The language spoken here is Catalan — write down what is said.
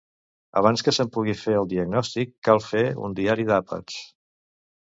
Abans que se'n pugui fer el diagnòstic, cal fer un diari d'àpats.